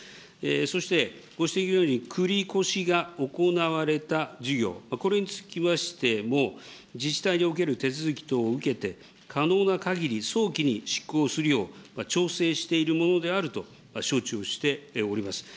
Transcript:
そしてご指摘のように、繰り越しが行われた事業、これにつきましても、自治体における手続き等を受けて、可能なかぎり早期に執行するよう、調整しているものであると承知をしております。